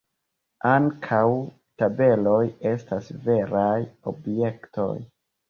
Ankaŭ tabeloj estas veraj objektoj.